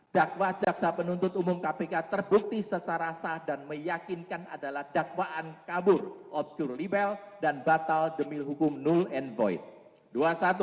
dakwa jaksa penuntut umum kpk terbukti secara sah dan meyakinkan adalah dakwaan kabur obscur libel dan batal demi hukum null and void